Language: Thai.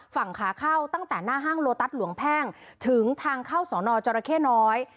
ฝั่งขาเข้าตั้งแต่หน้าห้างโลตัสหลวงแพ่งถึงทางเข้าสอนอจรเข้น้อย